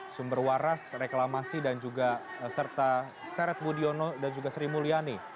sumber waras reklamasi dan juga serta seret budiono dan juga sri mulyani